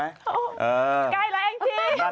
ใกล้แล้วแองจี้เหมือน